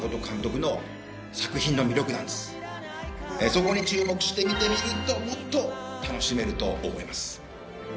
そこに注目して見てみるともっと楽しめると思います。